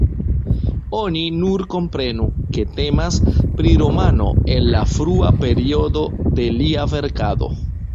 Oni nur komprenu, ke temas pri romano el la frua periodo de lia verkado.